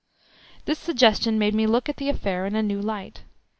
This suggestion made me look at the affair in a new light.